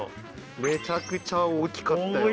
めちゃくちゃ大きかったよ。